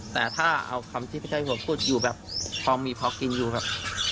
แต่ถ้าเอาคำที่พระเจ้าหัวพูดอยู่แบบพอมีพอกินอยู่แบบ